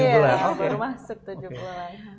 sudah masuk tujuh bulan